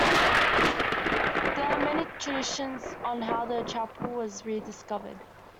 There are many traditions on how the chapel was rediscovered.